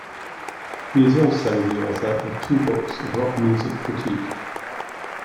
He is also the author of two books of rock music critique.